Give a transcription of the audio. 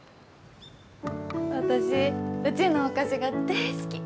私うちのお菓子が大好き。